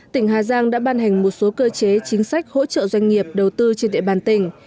tỉnh hà giang đã ban hành một số cơ chế chính sách hỗ trợ doanh nghiệp đầu tư trên địa bàn tỉnh